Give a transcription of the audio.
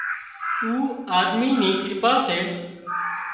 اُو آۮمي ني ڪرپا سي